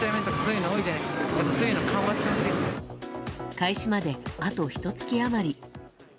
開始まで、あとひと月余り。